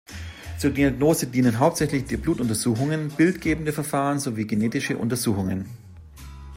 Zur Diagnose dienen hauptsächlich Blutuntersuchungen, bildgebende Verfahren sowie genetische Untersuchungen.